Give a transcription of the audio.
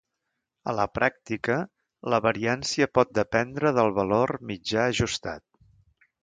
A la pràctica, la variància pot dependre del valor mitjà ajustat.